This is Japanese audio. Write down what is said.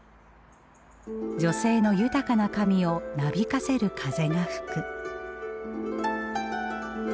「女性の豊かな髪をなびかせる風が吹く」。